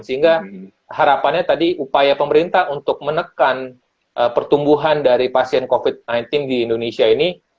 sehingga harapannya tadi upaya pemerintah untuk menekan pertumbuhan dari pasien covid sembilan belas di indonesia ini